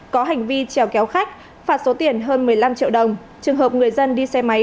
có hành vi treo kéo khách phạt số tiền hơn một mươi năm triệu đồng trường hợp người dân đi xe máy